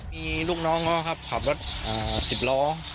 มีลูกน้องก็ขับรถ๑๐ล้อ